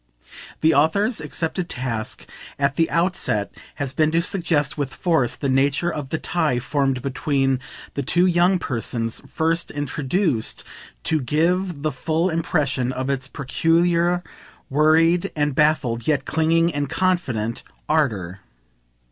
The author's accepted task at the outset has been to suggest with force the nature of the tie formed between the two young persons first introduced to give the full impression of its peculiar worried and baffled, yet clinging and confident, ardour.